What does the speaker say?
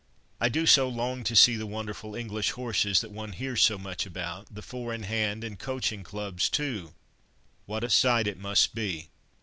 "I do so long to see the wonderful English horses that one hears so much about—the Four in hand and Coaching Clubs too! What a sight it must be!